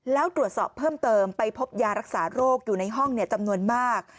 แล้วตรวจสอบเพิ่มเติมไปพบยารักษาโรคอยู่ในห้องจำนวนมาก